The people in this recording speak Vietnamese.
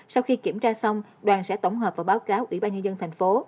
sau khi kiểm tra xong đoàn sẽ tổng hợp và báo cáo ủy ban nhân dân tp